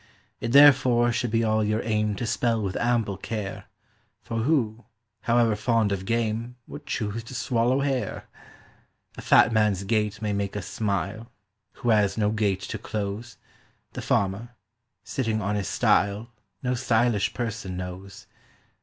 It therefore should be all your aim to spell with ample care; For who, however fond of game, would choose to swallow hair? A fat man's gait may make us smile, who has no gate to close; The farmer, sitting on his stile no _sty_lish person knows.